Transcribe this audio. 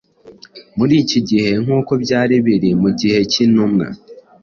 Muri iki gihe nk’uko byari biri mu gihe cy’intumwa,